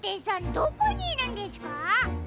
どこにいるんですか？